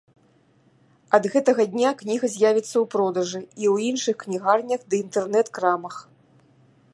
Ад гэтага дня кніга з'явіцца ў продажы і ў іншых кнігарнях ды інтэрнэт-крамах.